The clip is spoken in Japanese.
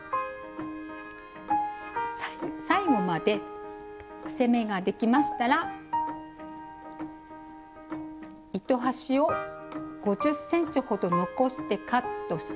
最後まで伏せ目ができましたら糸端を５０ｃｍほど残してカットして下さい。